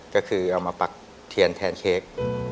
ก็คือเอามาปักเทียนแทนเค้ก